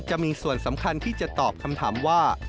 จะมีส่วนสำคัญที่จะตอบคำถามว่า